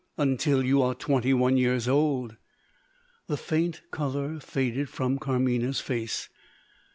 "Until you are twenty one years old." The faint colour faded from Carmina's face.